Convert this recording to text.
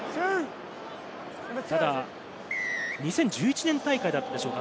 ただ２０１１年大会だったでしょうか？